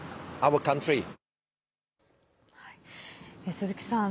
鈴木さん